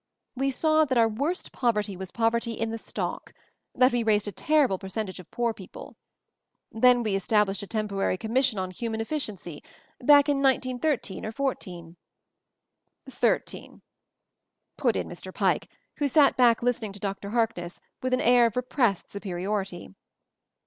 We saw that our worst poverty was poverty in the stock — that we raised a terrible percentage of poor people. Then we established a tem porary Commission on Human Efficiency, away back in 1913 or 14 " "Thirteen," put in Mr. Pike, who sat back listening to Dr. Harkness with an air of repressed superiority.